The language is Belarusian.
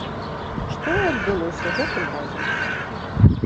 Што і адбылося гэтым разам.